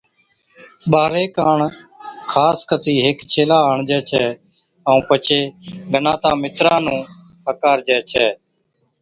ٻارھي ڪاڻ خاص ڪتِي ھيڪ ڇيلا آڻجي ڇَي، ائُون پڇي گناتان، مِتران نُون ھڪارجَي ڇَي